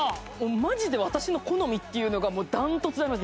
マジで私の好みっていうのが断トツであります。